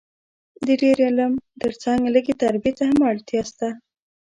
د ډېر علم تر څنګ لږ تربیې ته هم اړتیا سته